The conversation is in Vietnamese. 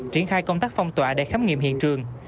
triển khai công tác phong tỏa để khám nghiệm hiện trường